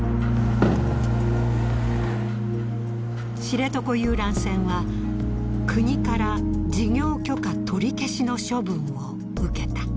知床遊覧船は国から事業許可取り消しの処分を受けた。